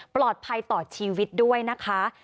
ปลอดภัยต่อชีวิตด้วยนะคะ